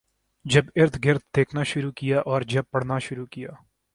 جب اردگرد دیکھنا شروع کیا اور جب پڑھنا شروع کیا